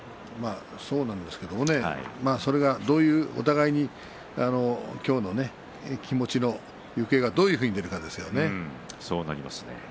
そうなんですがそれがお互いに今日の気持ちの行方がどう出るかですよね。